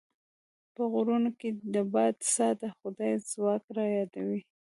په غرونو کې د باد ساه د خدای ځواک رايادوي.